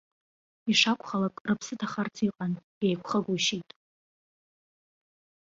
Ишакәхалак, рыԥсы ҭахарц иҟан, еиқәхагәышьеит.